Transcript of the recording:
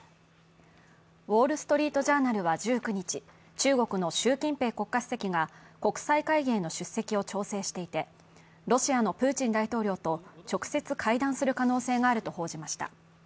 「ウォールストリート・ジャーナル」は１９日、中国の習近平国家主席が国際会議への出席を調整していてロシアのプーチン大統領と直接会談する可能性があると報じました。